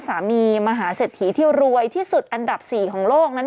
มหาเศรษฐีที่รวยที่สุดอันดับ๔ของโลกนั้น